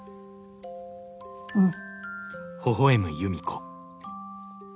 うん。